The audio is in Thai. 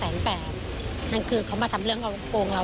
น้ำดื่มสิง